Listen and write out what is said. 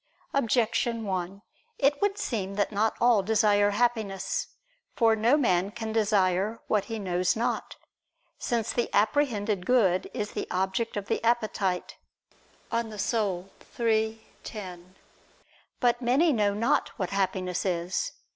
Objection 1: It would seem that not all desire Happiness. For no man can desire what he knows not; since the apprehended good is the object of the appetite (De Anima iii, 10). But many know not what Happiness is.